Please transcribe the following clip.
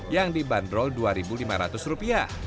yang dibanderol dua lima ratus rupiah